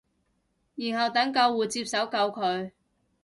然後等救護接手救佢